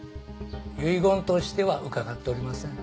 遺言としては伺っておりません。